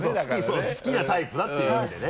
そうそう好きなタイプだっていう意味でね。